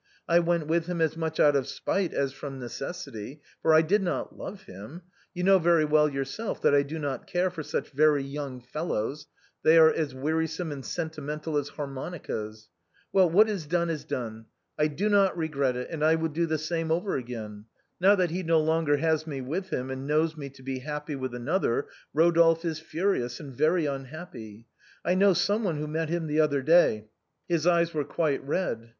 I went with him as much out of spite as from necessity, for I did not love him; you know very well yourself that I do not care for such very young fellows ; they are as wearisome and senti mental as harmonicas. Well, what is done is done. I do not regret it, and I would do the same over again. Now that he no longer has me with him, and knows me to be happy with another, Rodolphe is furious and very unhappy. I know someone who met liim the other day, his eyes were quite red.